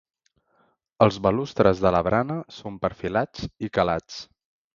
Els balustres de la barana són perfilats i calats.